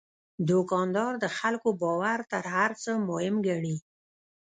دوکاندار د خلکو باور تر هر څه مهم ګڼي.